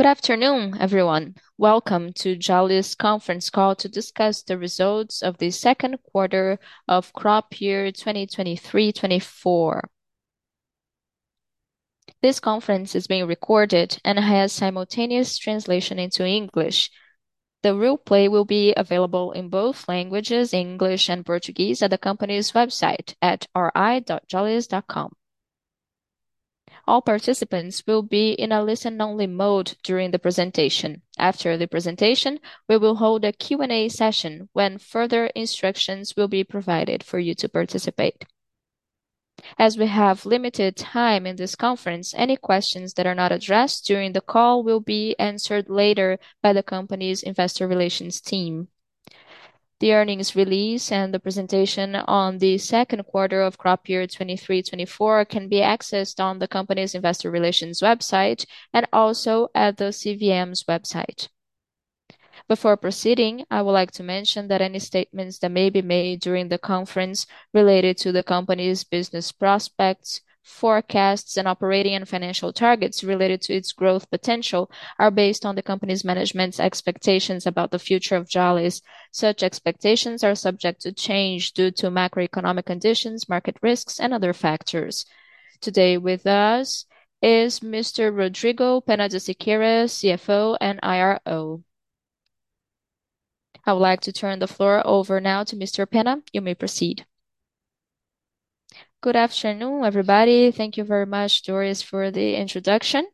Good afternoon, everyone. Welcome to Jalles conference call to discuss the results of the second quarter of crop year 2023-2024. This conference is being recorded and has simultaneous translation into English. The replay will be available in both languages, English and Portuguese, at the company's website at ri.jalles.com. All participants will be in a listen-only mode during the presentation. After the presentation, we will hold a Q&A session when further instructions will be provided for you to participate. As we have limited time in this conference, any questions that are not addressed during the call will be answered later by the company's investor relations team. The earnings release and the presentation on the second quarter of crop year 2023-2024 can be accessed on the company's investor relations website and also at the CVM's website. Before proceeding, I would like to mention that any statements that may be made during the conference related to the company's business prospects, forecasts, and operating and financial targets related to its growth potential are based on the company's management's expectations about the future of Jalles Machado. Such expectations are subject to change due to macroeconomic conditions, market risks, and other factors. Today with us is Mr. Rodrigo Penna de Siqueira, CFO and IRO. I would like to turn the floor over now to Mr. Penna. You may proceed. Good afternoon, everybody. Thank you very much, Doris, for the introduction.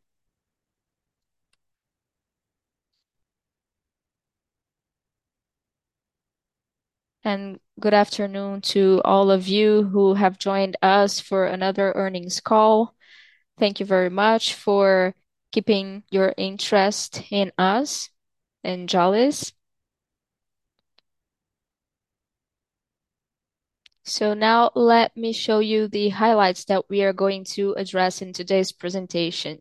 Good afternoon to all of you who have joined us for another earnings call. Thank you very much for keeping your interest in us, in Jalles Machado. Now let me show you the highlights that we are going to address in today's presentation.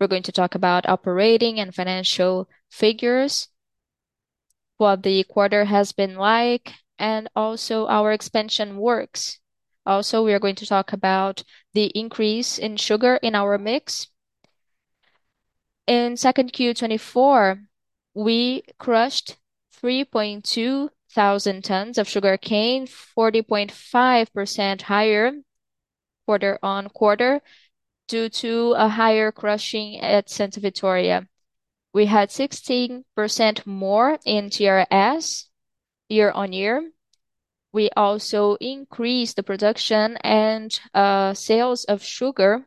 We're going to talk about operating and financial figures, what the quarter has been like, and also our expansion works. Also, we are going to talk about the increase in sugar in our mix. In 2Q 2024, we crushed 3,200 tons of sugarcane, 40.5% higher quarter-on-quarter due to a higher crushing at Santa Vitória. We had 16% more in TRS year-on-year. We also increased the production and sales of sugar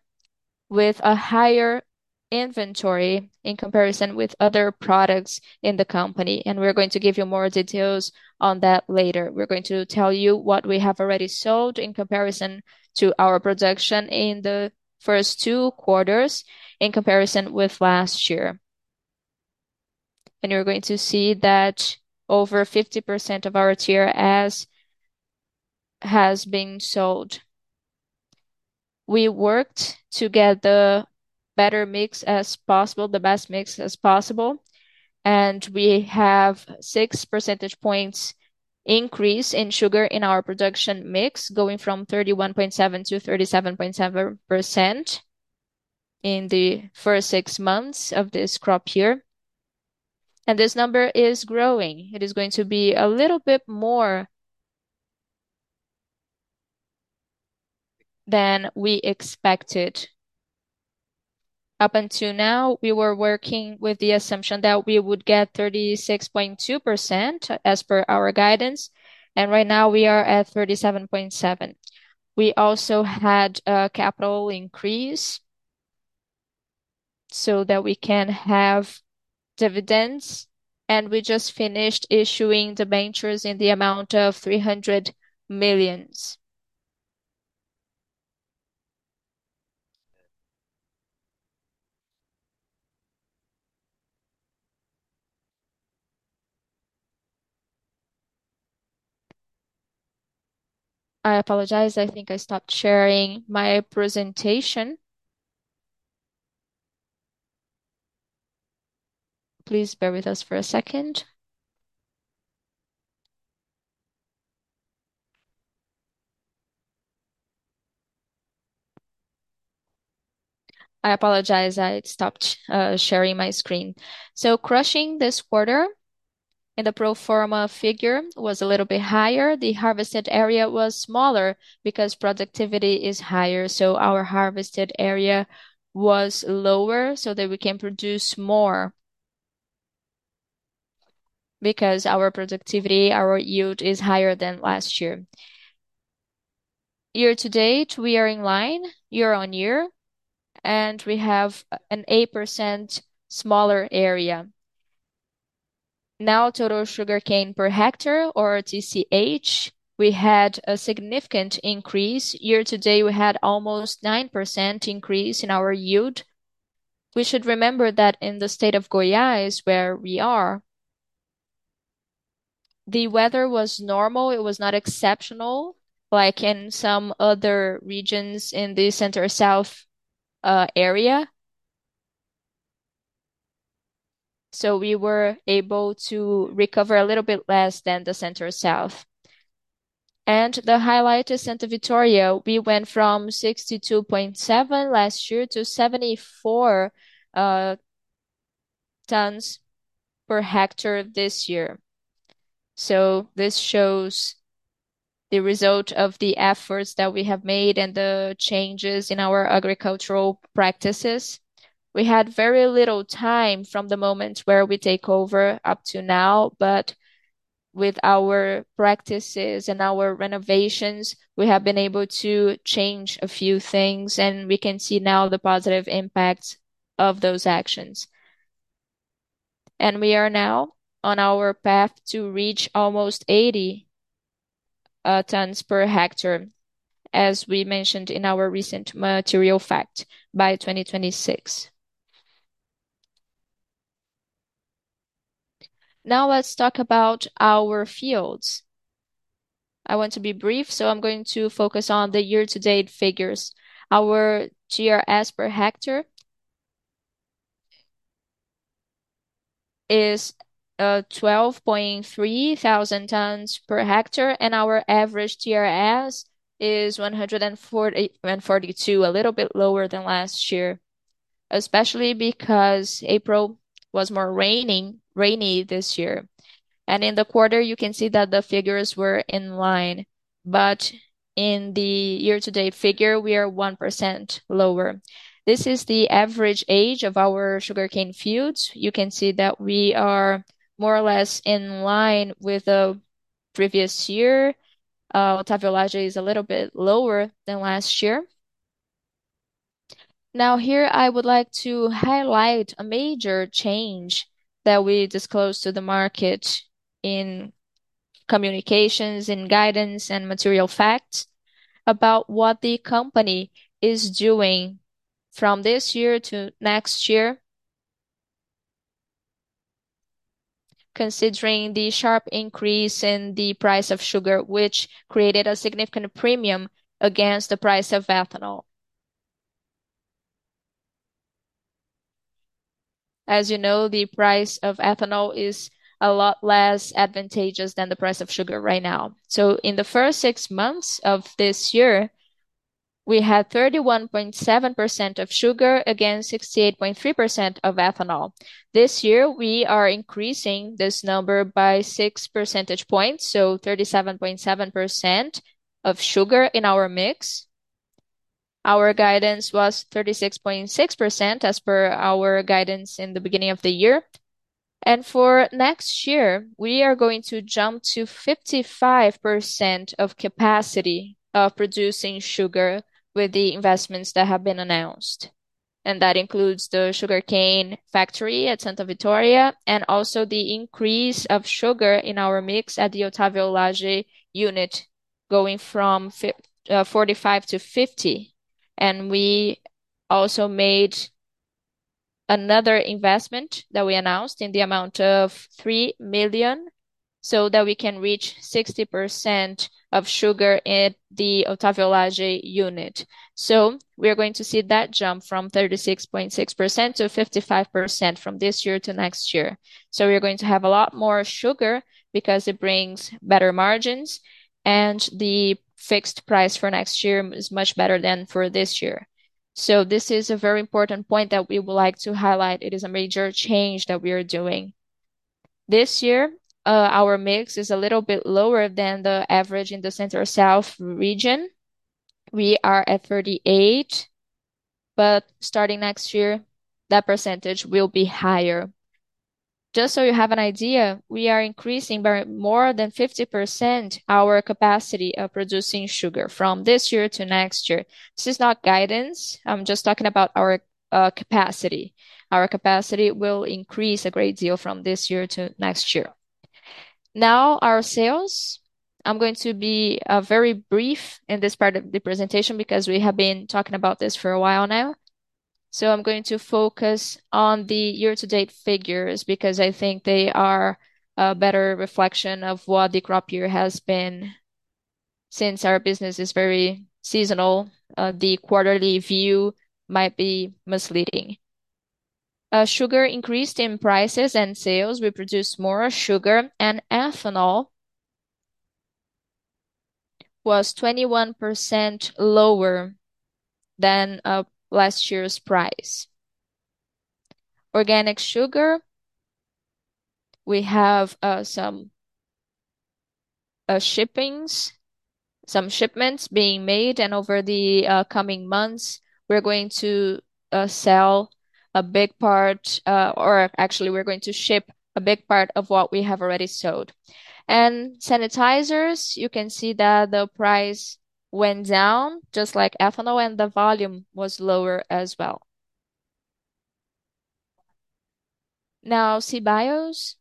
with a higher inventory in comparison with other products in the company, and we're going to give you more details on that later. We're going to tell you what we have already sold in comparison to our production in the first two quarters in comparison with last year. You're going to see that over 50% of our TRS has been sold. We worked to get the better mix as possible, the best mix as possible, and we have 6 percentage points increase in sugar in our production mix, going from 31.7 to 37.7% in the first 6 months of this crop year. And this number is growing. It is going to be a little bit more than we expected. Up until now, we were working with the assumption that we would get 36.2% as per our guidance, and right now, we are at 37.7. We also had a capital increase so that we can have dividends, and we just finished issuing the ventures in the amount of 300 million. I apologize. I think I stopped sharing my presentation. Please bear with us for a second. I apologize. I stopped sharing my screen. So crushing this quarter in the pro forma figure was a little bit higher. The harvested area was smaller because productivity is higher, so our harvested area was lower so that we can produce more because our productivity, our yield, is higher than last year. Year to date, we are in line year on year, and we have an 8% smaller area. Now, total sugarcane per hectare, or TCH, we had a significant increase. Year to date, we had almost 9% increase in our yield. We should remember that in the state of Goiás, where we are, the weather was normal. It was not exceptional, like in some other regions in the Center-South area. So we were able to recover a little bit less than the Center-South. And the highlight is Santa Vitória. We went from 62.7 last year to 74 tons per hectare this year. So this shows the result of the efforts that we have made and the changes in our agricultural practices. We had very little time from the moment where we take over up to now, but with our practices and our renovations, we have been able to change a few things, and we can see now the positive impact of those actions. And we are now on our path to reach almost 80 tons per hectare, as we mentioned in our recent material fact, by 2026. Now, let's talk about our fields. I want to be brief, so I'm going to focus on the year-to-date figures. Our GRS per hectare is 12,300 tons per hectare, and our average GRS is 141-142, a little bit lower than last year, especially because April was more rainy this year. In the quarter, you can see that the figures were in line, but in the year-to-date figure, we are 1% lower. This is the average age of our sugarcane fields. You can see that we are more or less in line with the previous year. Otávio Lage is a little bit lower than last year. Now, here I would like to highlight a major change that we disclosed to the market in communications and guidance and material facts about what the company is doing from this year to next year. Considering the sharp increase in the price of sugar, which created a significant premium against the price of ethanol. As you know, the price of ethanol is a lot less advantageous than the price of sugar right now. So in the first 6 months of this year, we had 31.7% of sugar, again, 68.3% of ethanol. This year, we are increasing this number by 6 percentage points, so 37.7% of sugar in our mix. Our guidance was 36.6%, as per our guidance in the beginning of the year. For next year, we are going to jump to 55% of capacity of producing sugar with the investments that have been announced, and that includes the sugarcane factory at Santa Vitória, and also the increase of sugar in our mix at the Otávio Lage unit, going from 45 to 50. We also made another investment that we announced in the amount of 3 million so that we can reach 60% of sugar in the Otávio Lage unit. So we are going to see that jump from 36.6% to 55% from this year to next year. So we are going to have a lot more sugar because it brings better margins, and the fixed price for next year is much better than for this year. So this is a very important point that we would like to highlight. It is a major change that we are doing. This year, our mix is a little bit lower than the average in the Center-South region. We are at 38%, but starting next year, that percentage will be higher. Just so you have an idea, we are increasing by more than 50% our capacity of producing sugar from this year to next year. This is not guidance. I'm just talking about our capacity. Our capacity will increase a great deal from this year to next year. Now, our sales. I'm going to be very brief in this part of the presentation because we have been talking about this for a while now. So I'm going to focus on the year-to-date figures because I think they are a better reflection of what the crop year has been. Since our business is very seasonal, the quarterly view might be misleading. Sugar increased in prices and sales. We produced more sugar and ethanol was 21% lower than last year's price. Organic sugar, we have some shipments being made, and over the coming months, we're going to sell a big part, or actually, we're going to ship a big part of what we have already sold. And sanitizers, you can see that the price went down, just like ethanol, and the volume was lower as well. Now, CBIOs,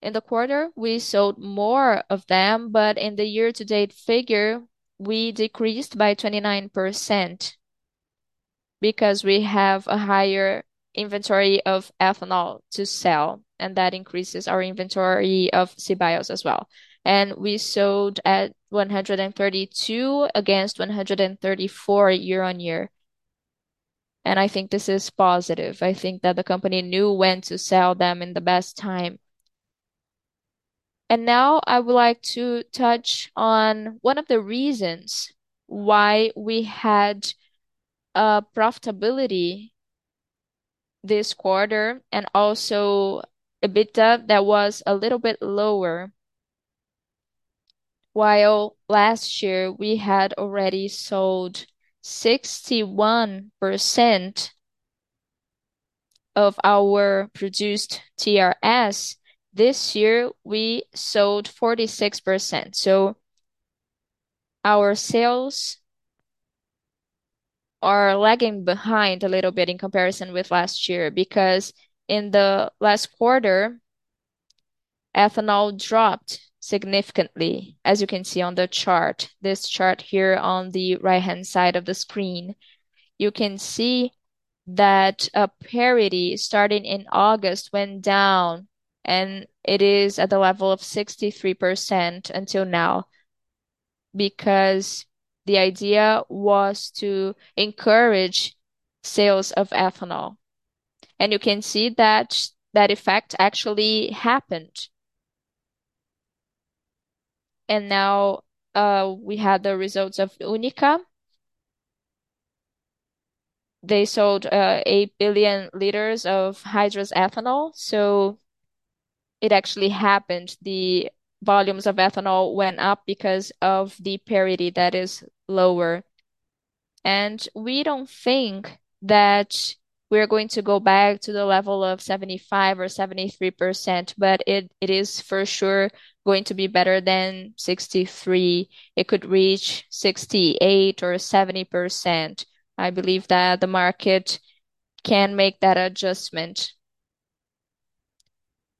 in the quarter, we sold more of them, but in the year-to-date figure, we decreased by 29% because we have a higher inventory of ethanol to sell, and that increases our inventory of CBIOs as well. We sold at 132 against 134 year-over-year. I think this is positive. I think that the company knew when to sell them in the best time. Now I would like to touch on one of the reasons why we had profitability this quarter, and also EBITDA that was a little bit lower. While last year we had already sold 61% of our produced TRS, this year we sold 46%. So our sales are lagging behind a little bit in comparison with last year, because in the last quarter, ethanol dropped significantly, as you can see on the chart. This chart here on the right-hand side of the screen, you can see that a parity starting in August went down, and it is at the level of 63% until now, because the idea was to encourage sales of ethanol. And you can see that, that effect actually happened. And now, we had the results of UNICA. They sold 8 billion liters of hydrous ethanol, so it actually happened. The volumes of ethanol went up because of the parity that is lower. And we don't think that we're going to go back to the level of 75% or 73%, but it, it is for sure going to be better than 63%. It could reach 68% or 70%. I believe that the market can make that adjustment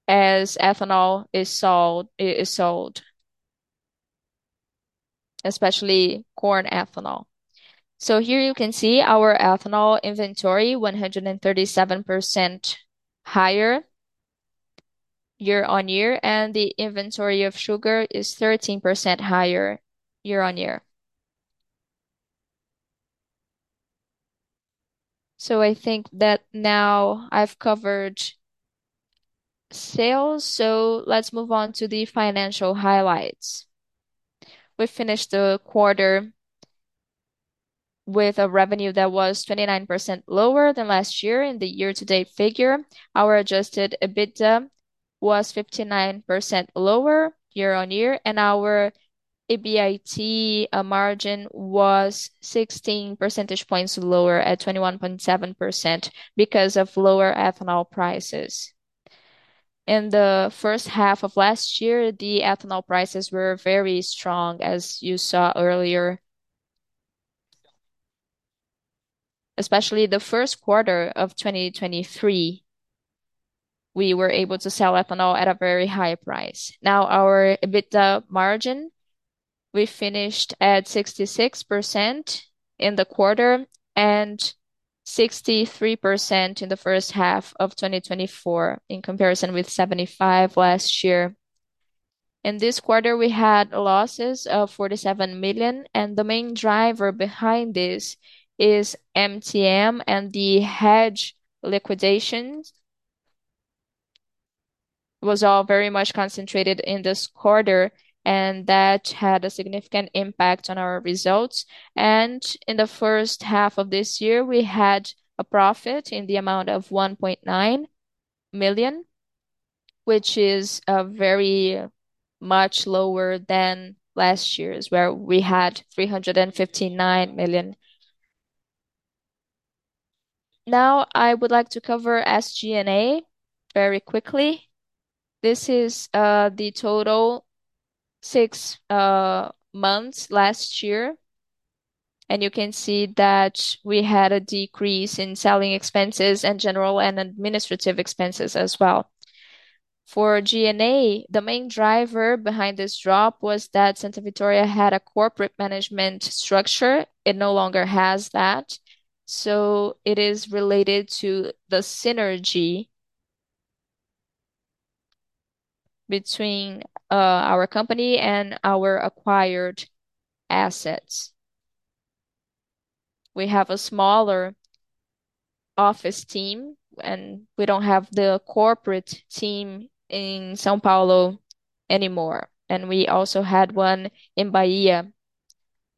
as ethanol is sold, is sold, especially corn ethanol. So here you can see our ethanol inventory, 137% higher year-on-year, and the inventory of sugar is 13% higher year-on-year. So I think that now I've covered sales, so let's move on to the financial highlights. We finished the quarter with a revenue that was 29% lower than last year in the year-to-date figure. Our adjusted EBITDA was 59% lower year-on-year, and our EBIT margin was 16 percentage points lower at 21.7% because of lower ethanol prices. In the H1 of last year, the ethanol prices were very strong, as you saw earlier. Especially the first quarter of 2023, we were able to sell ethanol at a very high price. Now, our EBITDA margin, we finished at 66% in the quarter and 63% in the H1 of 2024, in comparison with 75% last year. In this quarter, we had losses of 47 million, and the main driver behind this is MTM and the hedge liquidations. It was all very much concentrated in this quarter, and that had a significant impact on our results. In the H1 of this year, we had a profit in the amount of 1.9 million, which is, very much lower than last year's, where we had 359 million. Now, I would like to cover SG&A very quickly. This is, the total six months last year, and you can see that we had a decrease in selling expenses and general and administrative expenses as well. For G&A, the main driver behind this drop was that Santa Vitória had a corporate management structure. It no longer has that, so it is related to the synergy between our company and our acquired assets. We have a smaller office team, and we don't have the corporate team in São Paulo anymore, and we also had one in Bahia.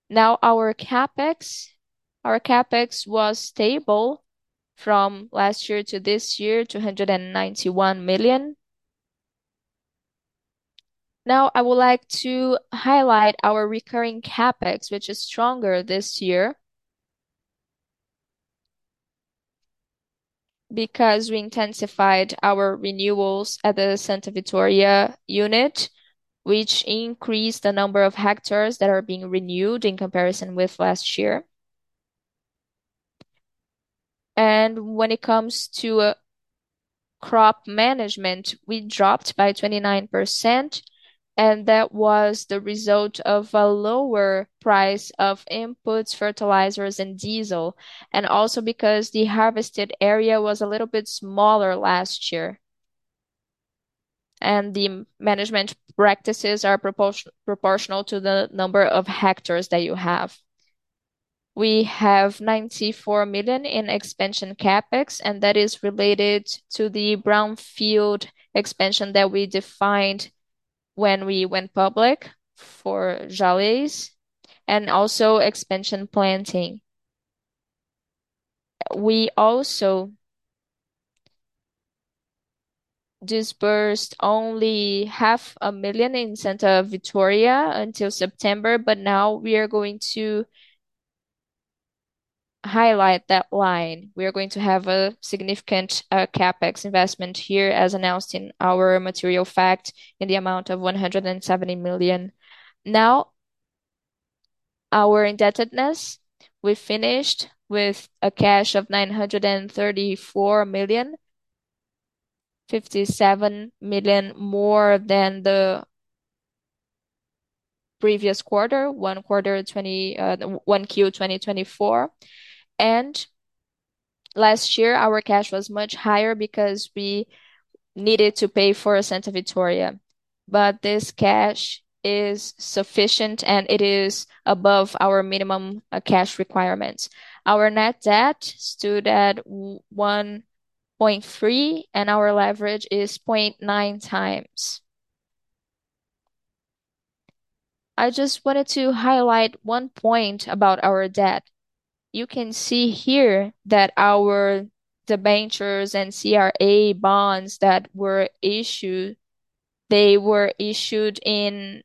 Now, our CapEx. Our CapEx was stable from last year to this year, 291 million. Now, I would like to highlight our recurring CapEx, which is stronger this year, because we intensified our renewals at the Santa Vitória unit, which increased the number of hectares that are being renewed in comparison with last year. When it comes to crop management, we dropped by 29%, and that was the result of a lower price of inputs, fertilizers, and diesel, and also because the harvested area was a little bit smaller last year. The management practices are proportional to the number of hectares that you have. We have 94 million in expansion CapEx, and that is related to the brownfield expansion that we defined when we went public for Jalles, and also expansion planting. We also disbursed only 500,000 in Santa Vitória until September, but now we are going to highlight that line. We are going to have a significant CapEx investment here, as announced in our material fact, in the amount of 170 million. Now, our indebtedness, we finished with a cash of 934 million, 57 million more than the previous quarter, 1Q 2024. And last year, our cash was much higher because we needed to pay for Santa Vitória, but this cash is sufficient, and it is above our minimum cash requirements. Our net debt stood at 1.3 billion, and our leverage is 0.9x. I just wanted to highlight one point about our debt. You can see here that our debentures and CRA bonds that were issued, they were issued indexed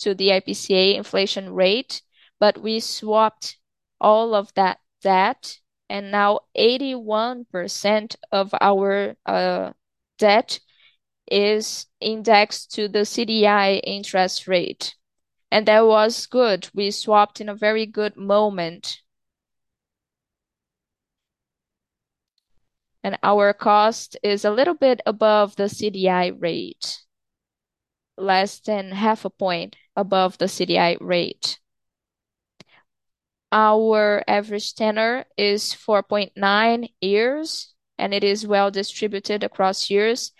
to the IPCA inflation rate, but we swapped all of that debt, and now 81% of our debt is indexed to the CDI interest rate. And that was good. We swapped in a very good moment. Our cost is a little bit above the CDI rate, less than half a point above the CDI rate. Our average tenor is 4.9 years, and it is well distributed across years,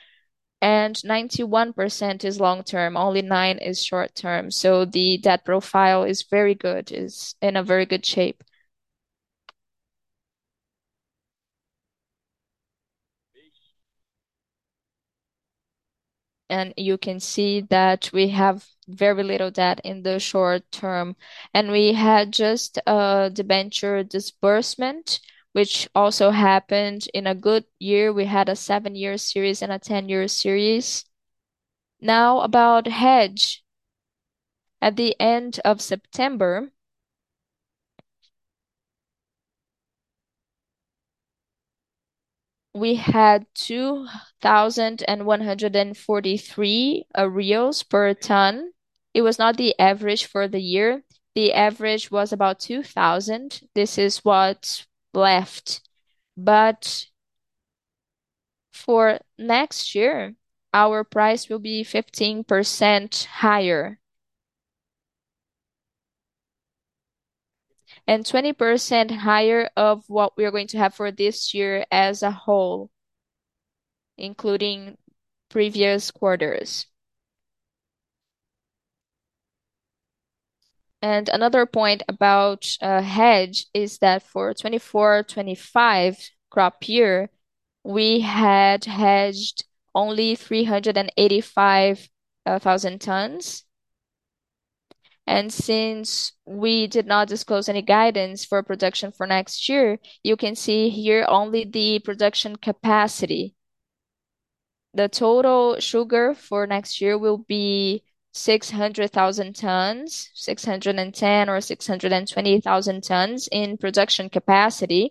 and 91% is long term, only 9% is short term. So the debt profile is very good. It's in a very good shape. And you can see that we have very little debt in the short term, and we had just a debenture disbursement, which also happened in a good year. We had a 7-year series and a 10-year series. Now, about hedge. At the end of September, we had 2,143 reais per ton. It was not the average for the year. The average was about 2,000. This is what's left. But for next year, our price will be 15% higher, and 20% higher of what we are going to have for this year as a whole, including previous quarters. And another point about hedge is that for 2024-2025 crop year, we had hedged only 385,000 tons. And since we did not disclose any guidance for production for next year, you can see here only the production capacity. The total sugar for next year will be 600,000 tons, 610,000 or 620,000 tons in production capacity,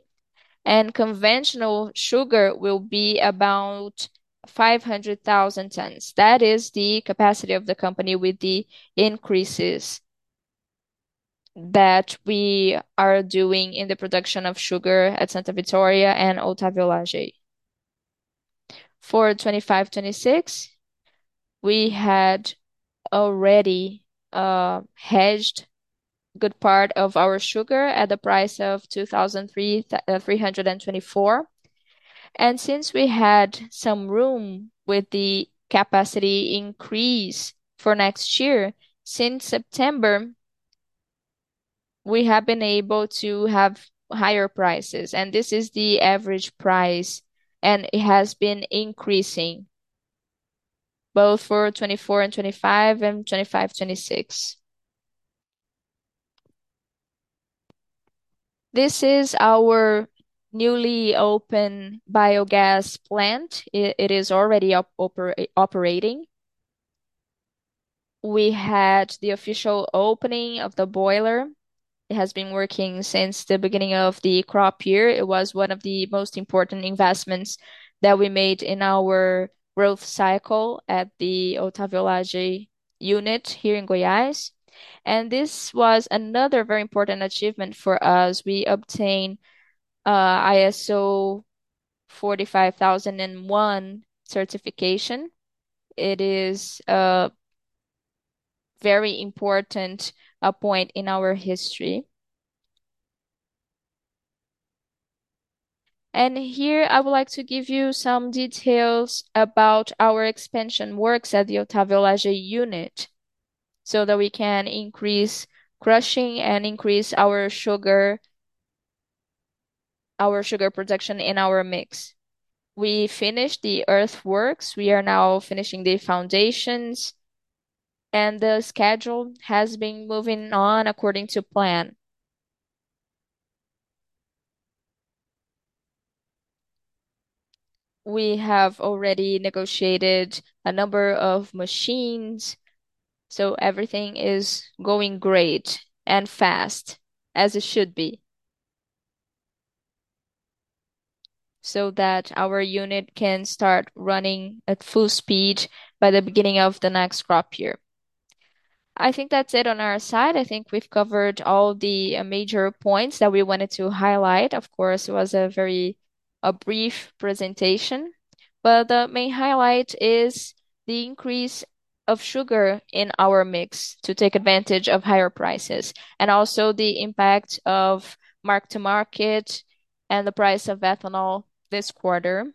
and conventional sugar will be about 500,000 tons. That is the capacity of the company with the increases that we are doing in the production of sugar at Santa Vitória and Otávio Lage. For 2025, 2026, we had already hedged a good part of our sugar at the price of 2,324. Since we had some room with the capacity increase for next year, since September, we have been able to have higher prices, and this is the average price, and it has been increasing, both for 2024 and 2025, and 2025, 2026. This is our newly open biogas plant. It is already operating. We had the official opening of the boiler. It has been working since the beginning of the crop year. It was one of the most important investments that we made in our growth cycle at the Otávio Lage de Siqueira unit here in Goiás. This was another very important achievement for us. We obtained ISO 45001 certification. It is a very important point in our history.... Here I would like to give you some details about our expansion works at the Otávio Lage unit, so that we can increase crushing and increase our sugar, our sugar production in our mix. We finished the earthworks. We are now finishing the foundations, and the schedule has been moving on according to plan. We have already negotiated a number of machines, so everything is going great and fast, as it should be, so that our unit can start running at full speed by the beginning of the next crop year. I think that's it on our side. I think we've covered all the major points that we wanted to highlight. Of course, it was a very brief presentation, but the main highlight is the increase of sugar in our mix to take advantage of higher prices, and also the impact of mark-to-market and the price of ethanol this quarter,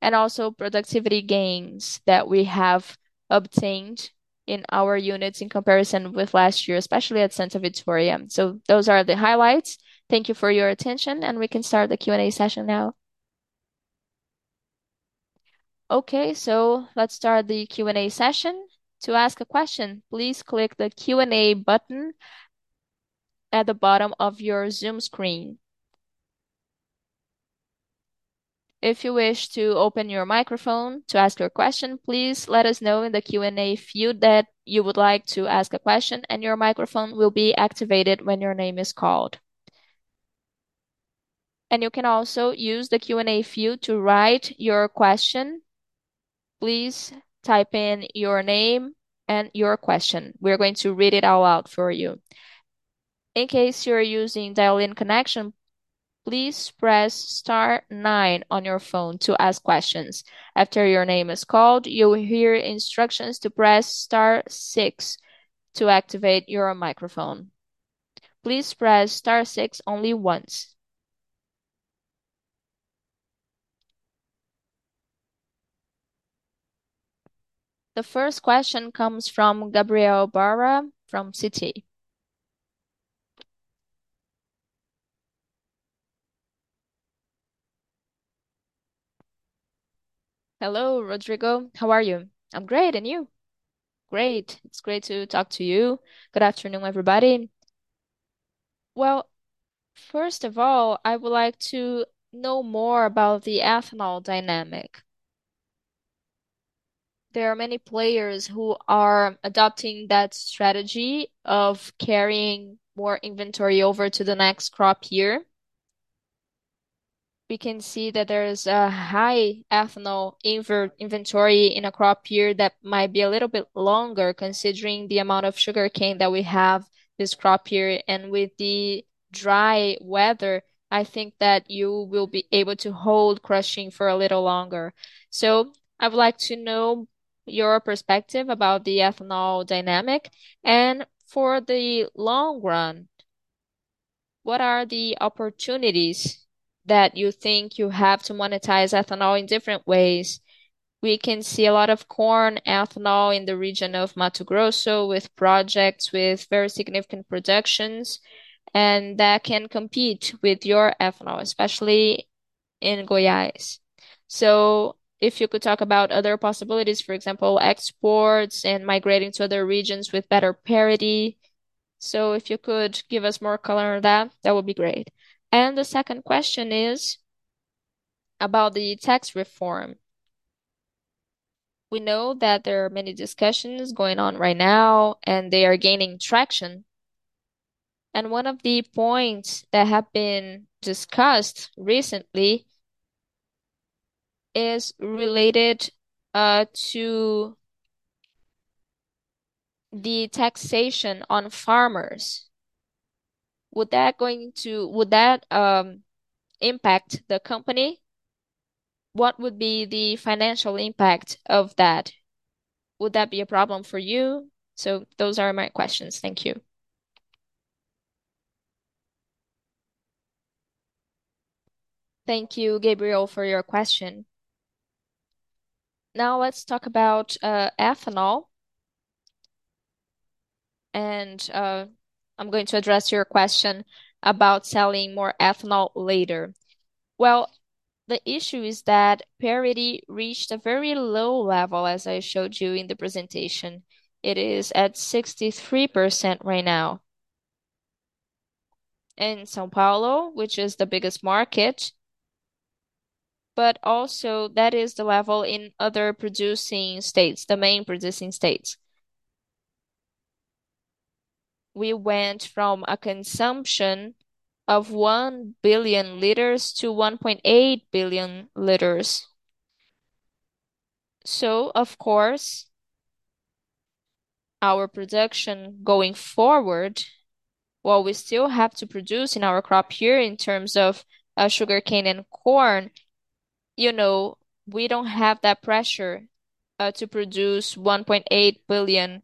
and also productivity gains that we have obtained in our units in comparison with last year, especially at Santa Vitória. So those are the highlights. Thank you for your attention, and we can start the Q&A session now. Okay, so let's start the Q&A session. To ask a question, please click the Q&A button at the bottom of your Zoom screen. If you wish to open your microphone to ask your question, please let us know in the Q&A field that you would like to ask a question, and your microphone will be activated when your name is called. You can also use the Q&A field to write your question. Please type in your name and your question. We're going to read it out loud for you. In case you're using dial-in connection, please press star 9 on your phone to ask questions. After your name is called, you will hear instructions to press star 6 to activate your microphone. Please press star six only once. The first question comes from Gabriel Barra from Citi. Hello, Rodrigo. How are you? I'm great, and you? Great. It's great to talk to you. Good afternoon, everybody. Well, first of all, I would like to know more about the ethanol dynamic. There are many players who are adopting that strategy of carrying more inventory over to the next crop year. We can see that there's a high ethanol inventory in a crop year that might be a little bit longer, considering the amount of sugarcane that we have this crop year. With the dry weather, I think that you will be able to hold crushing for a little longer. I would like to know your perspective about the ethanol dynamic. For the long run, what are the opportunities that you think you have to monetize ethanol in different ways? We can see a lot of corn ethanol in the region of Mato Grosso, with projects with very significant productions, and that can compete with your ethanol, especially in Goiás. If you could talk about other possibilities, for example, exports and migrating to other regions with better parity. If you could give us more color on that, that would be great. The second question is about the tax reform. We know that there are many discussions going on right now, and they are gaining traction, and one of the points that have been discussed recently is related to the taxation on farmers. Would that impact the company? What would be the financial impact of that? Would that be a problem for you? So those are my questions. Thank you. Thank you, Gabriel, for your question. Now let's talk about ethanol, and I'm going to address your question about selling more ethanol later. Well, the issue is that parity reached a very low level, as I showed you in the presentation. It is at 63% right now in São Paulo, which is the biggest market, but also that is the level in other producing states, the main producing states. We went from a consumption of 1 billion liters to 1.8 billion liters. So of course, our production going forward, while we still have to produce in our crop year in terms of, sugarcane and corn—you know, we don't have that pressure to produce 1.8 billion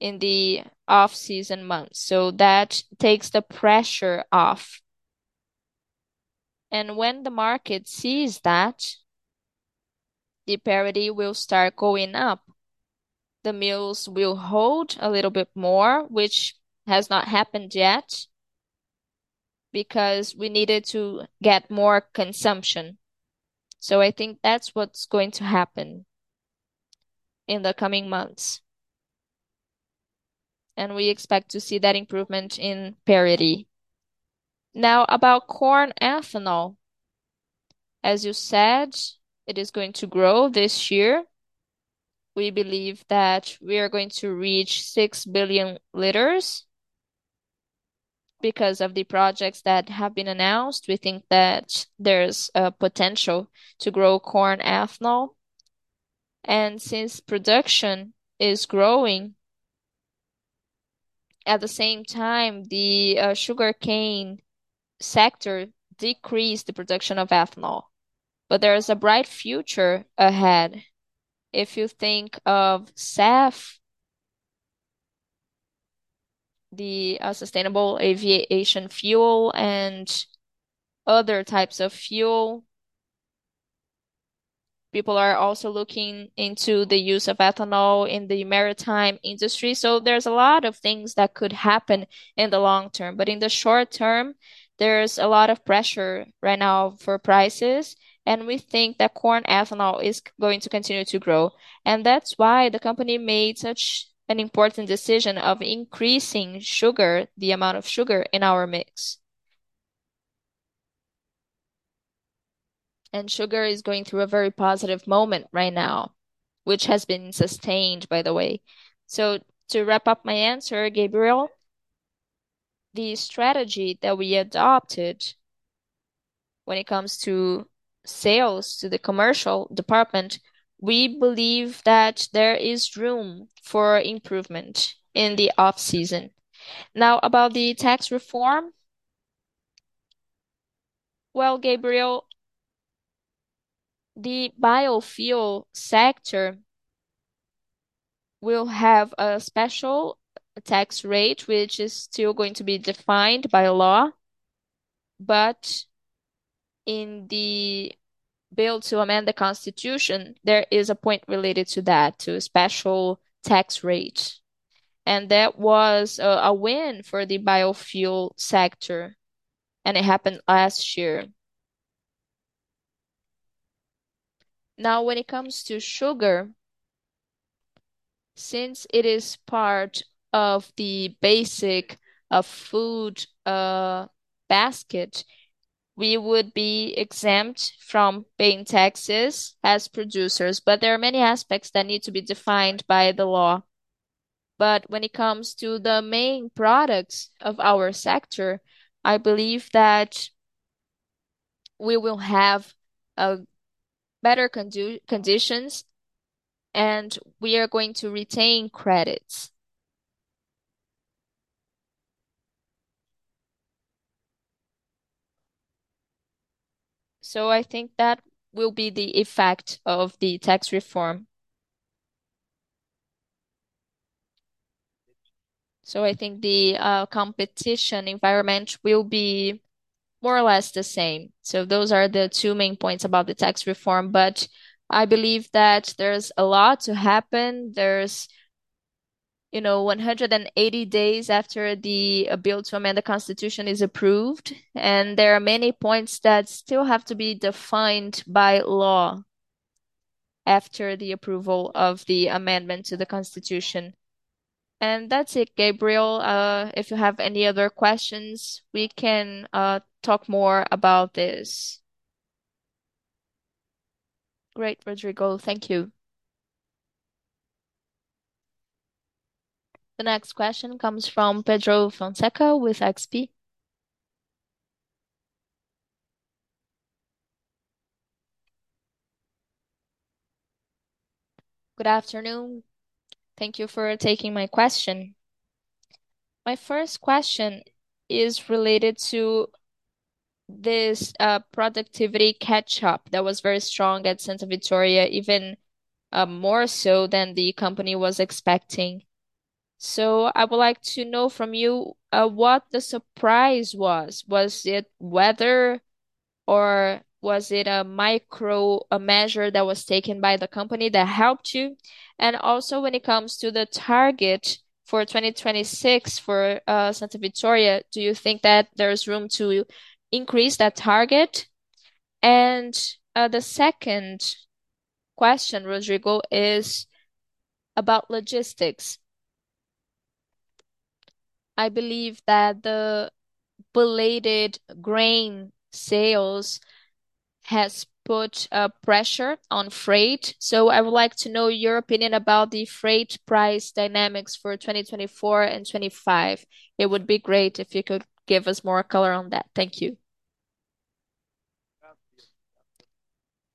in the off-season months, so that takes the pressure off. And when the market sees that, the parity will start going up. The mills will hold a little bit more, which has not happened yet, because we needed to get more consumption. So I think that's what's going to happen in the coming months, and we expect to see that improvement in parity. Now, about corn ethanol, as you said, it is going to grow this year. We believe that we are going to reach 6 billion liters because of the projects that have been announced. We think that there's a potential to grow corn ethanol, and since production is growing, at the same time, the sugarcane sector decreased the production of ethanol. But there is a bright future ahead if you think of SAF, the sustainable aviation fuel, and other types of fuel. People are also looking into the use of ethanol in the maritime industry. So there's a lot of things that could happen in the long term, but in the short term, there's a lot of pressure right now for prices, and we think that corn ethanol is going to continue to grow. And that's why the company made such an important decision of increasing sugar, the amount of sugar in our mix. And sugar is going through a very positive moment right now, which has been sustained, by the way. So to wrap up my answer, Gabriel, the strategy that we adopted when it comes to sales to the commercial department, we believe that there is room for improvement in the off-season. Now, about the tax reform, well, Gabriel, the biofuel sector will have a special tax rate, which is still going to be defined by law, but in the bill to amend the Constitution, there is a point related to that, to a special tax rate, and that was a win for the biofuel sector, and it happened last year. Now, when it comes to sugar, since it is part of the basic food basket, we would be exempt from paying taxes as producers, but there are many aspects that need to be defined by the law. But when it comes to the main products of our sector, I believe that we will have a better conditions, and we are going to retain credits. So I think that will be the effect of the tax reform. So I think the competition environment will be more or less the same. So those are the two main points about the tax reform, but I believe that there's a lot to happen. There's, you know, 180 days after the bill to amend the Constitution is approved, and there are many points that still have to be defined by law after the approval of the amendment to the Constitution. And that's it, Gabriel. If you have any other questions, we can talk more about this. Great, Rodrigo. Thank you. The next question comes from Pedro Fonseca with XP. Good afternoon. Thank you for taking my question. My first question is related to this productivity catch-up that was very strong at Santa Vitória, even more so than the company was expecting. So I would like to know from you what the surprise was. Was it weather, or was it a micro measure that was taken by the company that helped you? And also, when it comes to the target for 2026 for Santa Vitória, do you think that there's room to increase that target? And the second question, Rodrigo, is about logistics. I believe that the belated grain sales has put pressure on freight, so I would like to know your opinion about the freight price dynamics for 2024 and 2025. It would be great if you could give us more color on that. Thank you.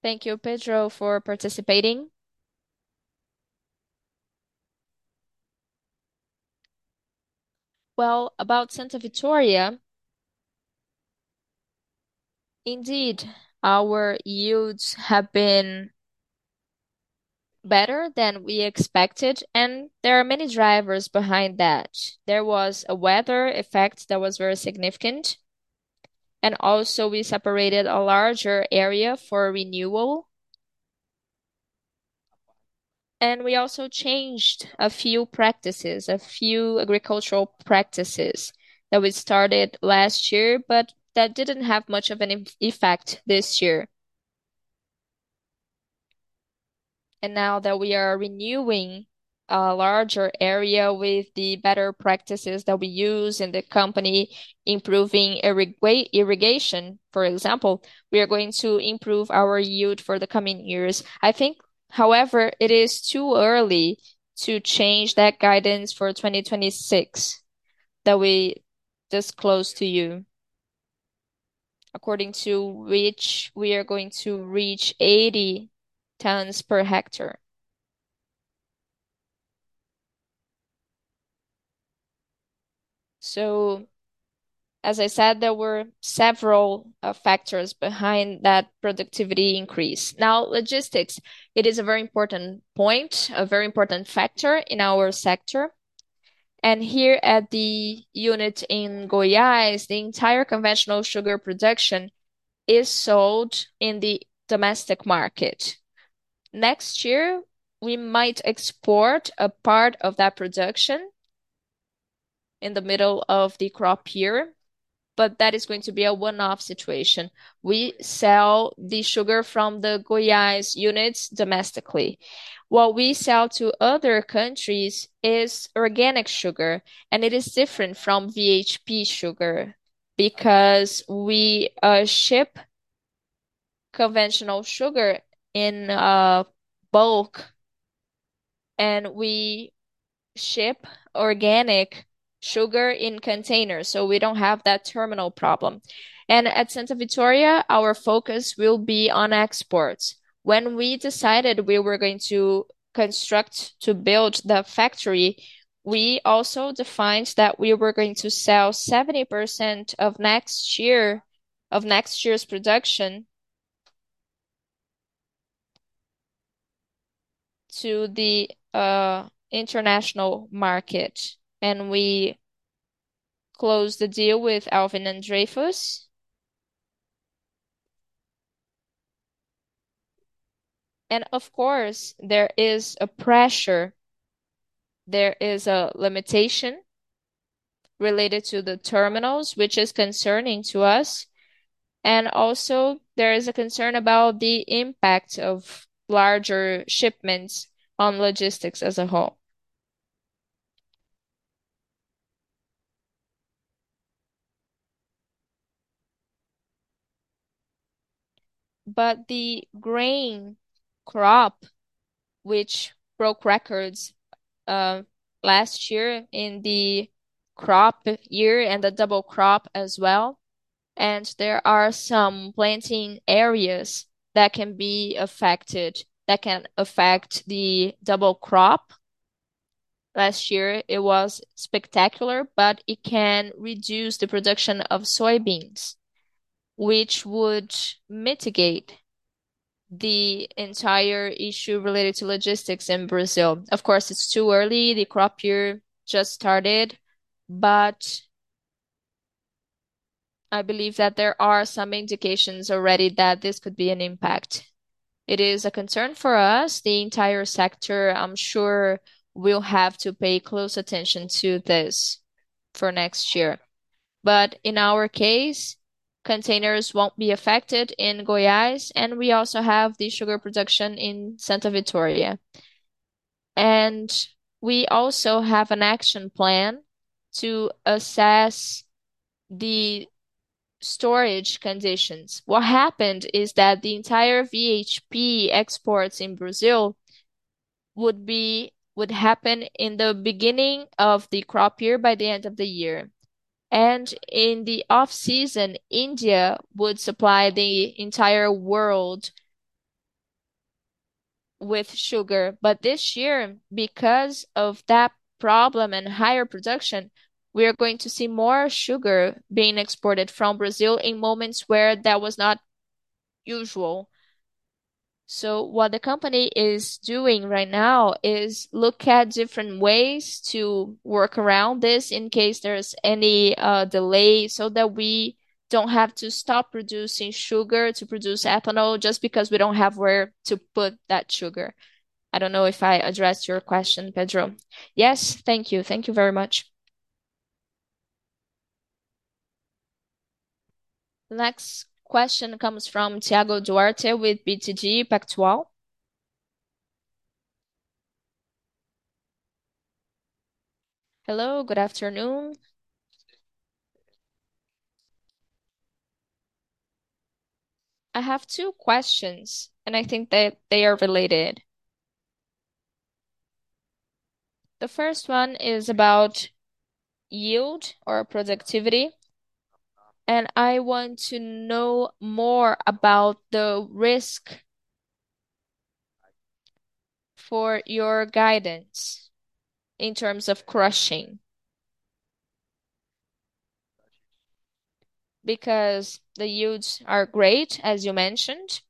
Thank you, Pedro, for participating. Well, about Santa Vitória, indeed, our yields have been better than we expected, and there are many drivers behind that. There was a weather effect that was very significant, and also we separated a larger area for renewal. We also changed a few practices, a few agricultural practices that we started last year, but that didn't have much of an effect this year. Now that we are renewing a larger area with the better practices that we use in the company, improving irrigation, for example, we are going to improve our yield for the coming years. I think, however, it is too early to change that guidance for 2026 that we disclosed to you, according to which we are going to reach 80 tons per hectare. So as I said, there were several factors behind that productivity increase. Now, logistics, it is a very important point, a very important factor in our sector, and here at the unit in Goiás, the entire conventional sugar production is sold in the domestic market. Next year, we might export a part of that production in the middle of the crop year, but that is going to be a one-off situation. We sell the sugar from the Goiás units domestically. What we sell to other countries is organic sugar, and it is different from VHP sugar, because we ship conventional sugar in bulk, and we ship organic sugar in containers, so we don't have that terminal problem. At Santa Vitória, our focus will be on exports. When we decided we were going to construct, to build the factory, we also defined that we were going to sell 70% of next year, of next year's production to the international market, and we closed the deal with Alvean and Dreyfus. Of course, there is a pressure, there is a limitation related to the terminals, which is concerning to us, and also there is a concern about the impact of larger shipments on logistics as a whole. The grain crop, which broke records last year in the crop year and the double crop as well, and there are some planting areas that can be affected, that can affect the double crop. Last year it was spectacular, but it can reduce the production of soybeans, which would mitigate the entire issue related to logistics in Brazil. Of course, it's too early, the crop year just started, but I believe that there are some indications already that this could be an impact. It is a concern for us. The entire sector, I'm sure, will have to pay close attention to this for next year. But in our case, containers won't be affected in Goiás, and we also have the sugar production in Santa Vitória. And we also have an action plan to assess the storage conditions. What happened is that the entire VHP exports in Brazil would happen in the beginning of the crop year by the end of the year. And in the off season, India would supply the entire world with sugar. But this year, because of that problem and higher production, we are going to see more sugar being exported from Brazil in moments where that was not usual. So what the company is doing right now is look at different ways to work around this in case there is any delay, so that we don't have to stop producing sugar to produce ethanol just because we don't have where to put that sugar. I don't know if I addressed your question, Pedro. Yes, thank you. Thank you very much. The next question comes from Thiago Duarte with BTG Pactual. Hello, good afternoon. I have two questions, and I think that they are related. The first one is about yield or productivity, and I want to know more about the risk for your guidance in terms of crushing. Because the yields are great, as you mentioned,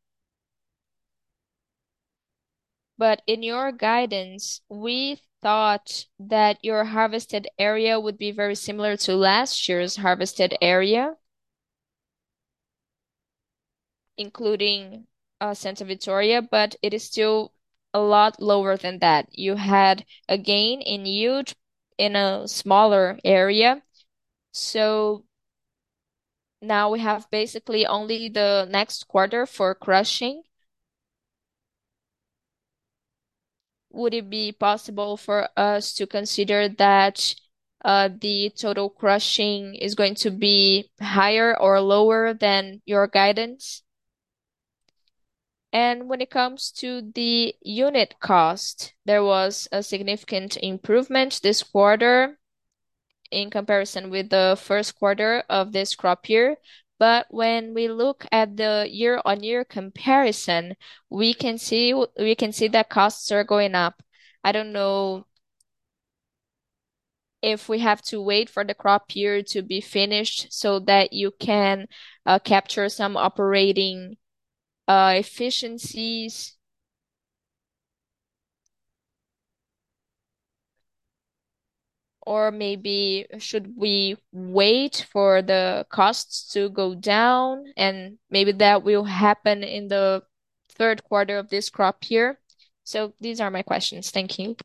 but in your guidance, we thought that your harvested area would be very similar to last year's harvested area, including Santa Vitória, but it is still a lot lower than that. You had a gain in yield in a smaller area, so now we have basically only the next quarter for crushing. Would it be possible for us to consider that the total crushing is going to be higher or lower than your guidance? And when it comes to the unit cost, there was a significant improvement this quarter in comparison with the first quarter of this crop year. But when we look at the year-on-year comparison, we can see, we can see that costs are going up. I don't know if we have to wait for the crop year to be finished so that you can capture some operating efficiencies, or maybe should we wait for the costs to go down, and maybe that will happen in the third quarter of this crop year? So these are my questions. Thank you.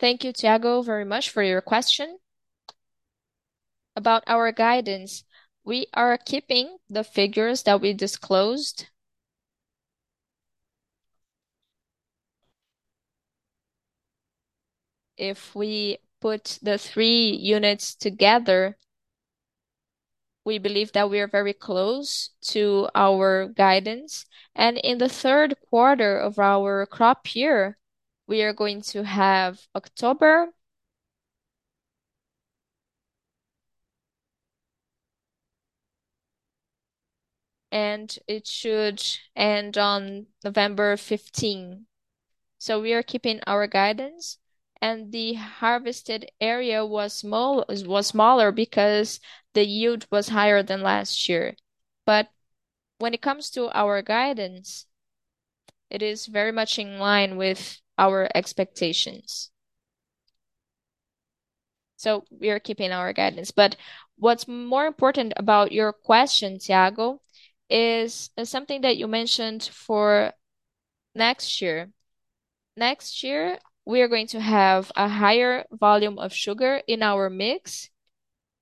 Thank you, Thiago, very much for your question. About our guidance, we are keeping the figures that we disclosed. If we put the three units together, we believe that we are very close to our guidance, and in the third quarter of our crop year, we are going to have October, and it should end on 15 November. So we are keeping our guidance. And the harvested area was small—was smaller because the yield was higher than last year. But when it comes to our guidance, it is very much in line with our expectations. So we are keeping our guidance. But what's more important about your question, Thiago, is, is something that you mentioned for next year. Next year, we are going to have a higher volume of sugar in our mix,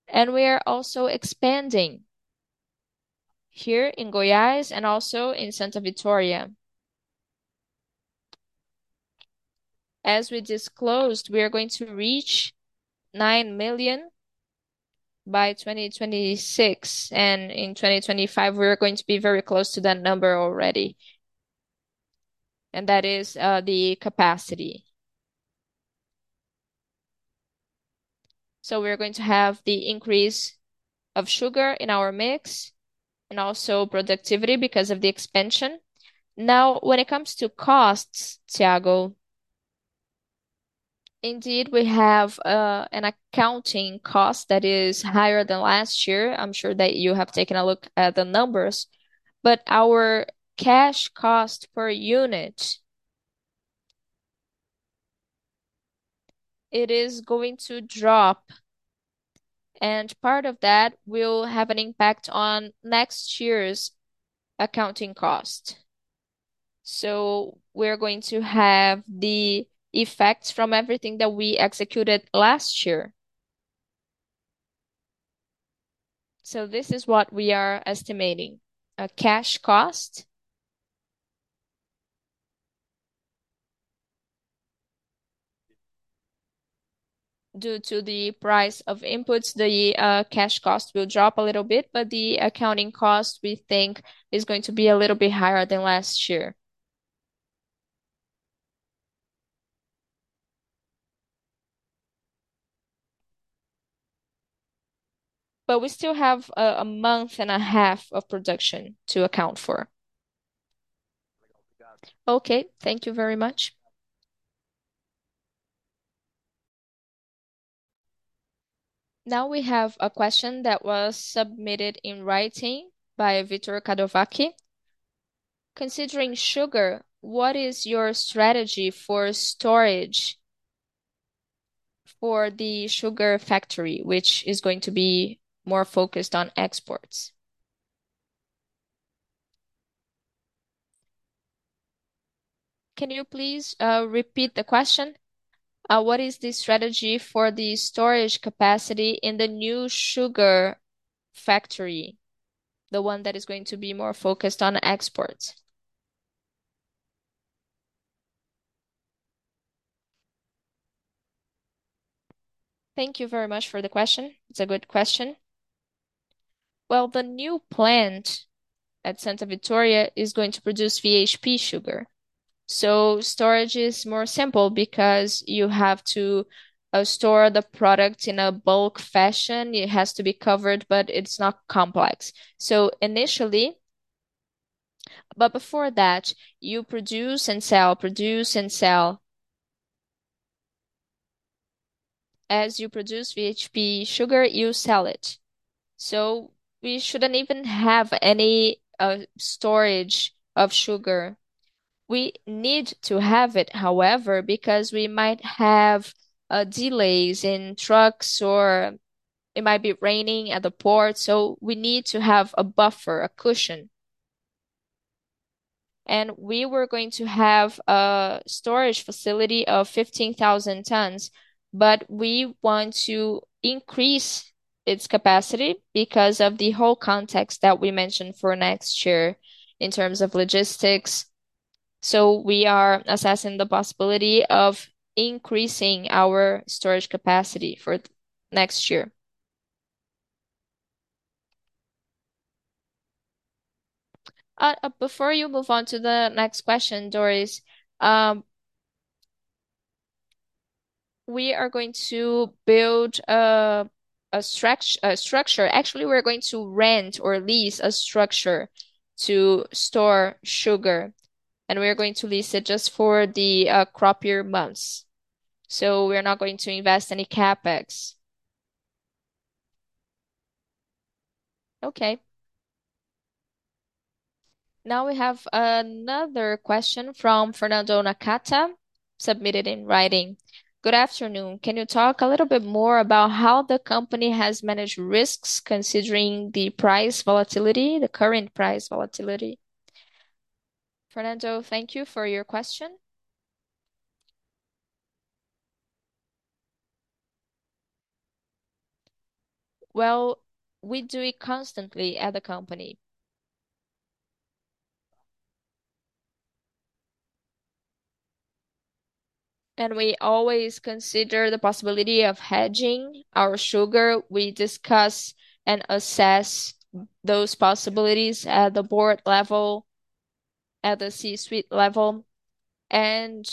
and we are also expanding here in Goiás and also in Santa Vitória. As we disclosed, we are going to reach 9 million by 2026, and in 2025 we are going to be very close to that number already, and that is the capacity. So we're going to have the increase of sugar in our mix, and also productivity because of the expansion. Now, when it comes to costs, Thiago, indeed, we have an accounting cost that is higher than last year. I'm sure that you have taken a look at the numbers. But our cash cost per unit, it is going to drop, and part of that will have an impact on next year's accounting cost. So we're going to have the effects from everything that we executed last year. So this is what we are estimating. A cash cost... Due to the price of inputs, the cash cost will drop a little bit, but the accounting cost, we think, is going to be a little bit higher than last year. But we still have a month and a half of production to account for. Okay, thank you very much. Now we have a question that was submitted in writing by Victor Kadowaki: "Considering sugar, what is your strategy for storage for the sugar factory, which is going to be more focused on exports?" Can you please repeat the question? What is the strategy for the storage capacity in the new sugar factory, the one that is going to be more focused on exports? Thank you very much for the question. It's a good question. Well, the new plant at Santa Vitória is going to produce VHP sugar.... Storage is more simple because you have to store the product in a bulk fashion. It has to be covered, but it's not complex. Initially, but before that, you produce and sell, produce and sell. As you produce VHP sugar, you sell it. So we shouldn't even have any storage of sugar. We need to have it, however, because we might have delays in trucks, or it might be raining at the port, so we need to have a buffer, a cushion. And we were going to have a storage facility of 15,000 tons, but we want to increase its capacity because of the whole context that we mentioned for next year in terms of logistics. So we are assessing the possibility of increasing our storage capacity for next year. Before you move on to the next question, Doris, we are going to build a structure. Actually, we're going to rent or lease a structure to store sugar, and we are going to lease it just for the crop year months. So we're not going to invest any CapEx. Okay. Now we have another question from Fernando Nakata, submitted in writing: "Good afternoon. Can you talk a little bit more about how the company has managed risks, considering the price volatility, the current price volatility?" Fernando, thank you for your question. Well, we do it constantly at the company. We always consider the possibility of hedging our sugar. We discuss and assess those possibilities at the board level, at the C-suite level, and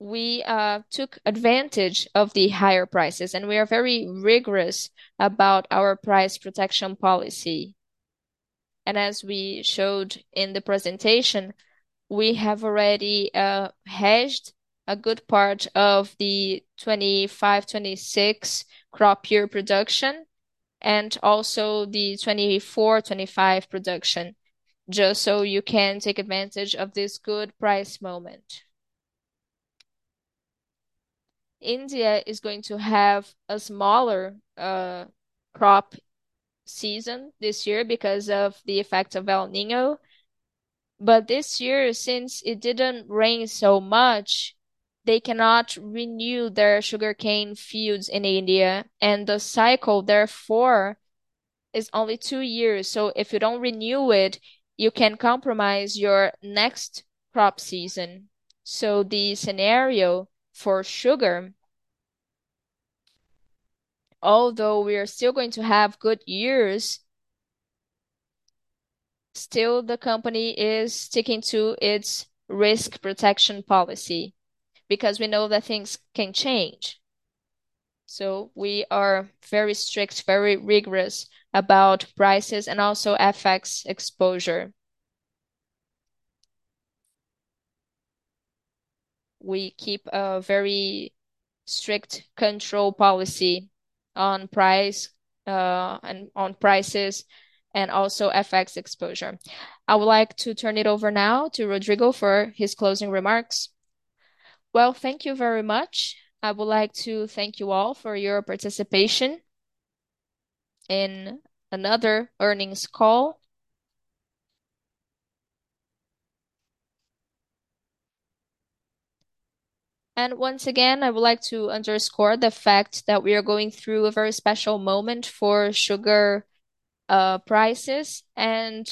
we took advantage of the higher prices, and we are very rigorous about our price protection policy. As we showed in the presentation, we have already hedged a good part of the 25, 26 crop year production, and also the 24, 25 production, just so you can take advantage of this good price moment. India is going to have a smaller crop season this year because of the effect of El Niño. But this year, since it didn't rain so much, they cannot renew their sugarcane fields in India, and the cycle, therefore, is only two years. So if you don't renew it, you can compromise your next crop season. So the scenario for sugar, although we are still going to have good years, still the company is sticking to its risk protection policy, because we know that things can change. So we are very strict, very rigorous about prices and also FX exposure. We keep a very strict control policy on price, and on prices, and also FX exposure. I would like to turn it over now to Rodrigo for his closing remarks. Well, thank you very much. I would like to thank you all for your participation in another earnings call. And once again, I would like to underscore the fact that we are going through a very special moment for sugar prices, and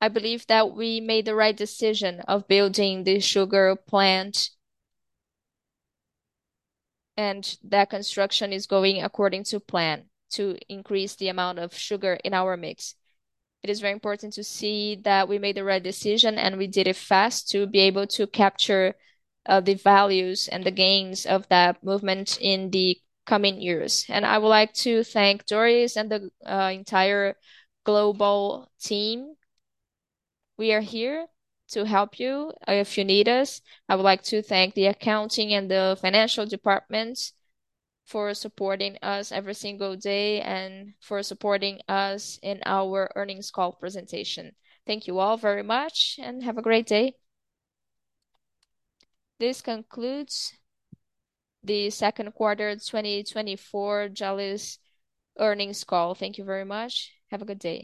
I believe that we made the right decision of building the sugar plant. And that construction is going according to plan, to increase the amount of sugar in our mix. It is very important to see that we made the right decision, and we did it fast to be able to capture the values and the gains of that movement in the coming years. I would like to thank Doris and the entire global team. We are here to help you if you need us. I would like to thank the accounting and the financial departments for supporting us every single day and for supporting us in our earnings call presentation. Thank you all very much, and have a great day. This concludes the second quarter of 2024 Jalles earnings call. Thank you very much. Have a good day.